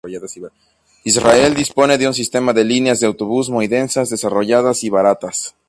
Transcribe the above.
Israel dispone de un sistema de líneas de autobús muy densas, desarrolladas y baratas.